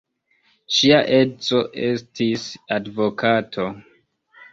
Ŝia edzo estis advokato.